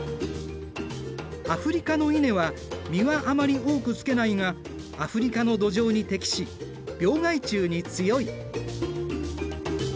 アフリカの稲は実はあまり多くつけないがアフリカの土壌に適し病害虫に強い。